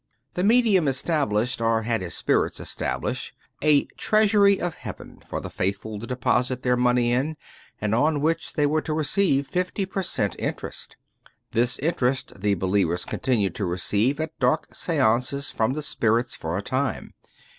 The medium established, or had his spirits establish, a 275 True Stories ef Modern Magic "Treasury of Heaven/' for the faithful to deposit their money in, and on which they were to receive fifty per cent interest. This interest the believers continued to receive at dark seances from the spirits for a time.